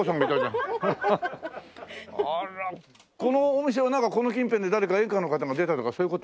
このお店はなんかこの近辺で誰か演歌の方が出たとかそういう事？